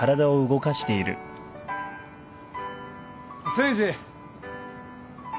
誠治。